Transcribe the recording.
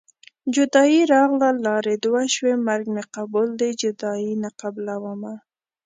جدايي راغله لارې دوه شوې مرګ مې قبول دی جدايي نه قبلومه